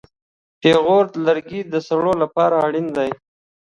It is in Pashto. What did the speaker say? پېغور لرګی د سړو لپاره اړین دی.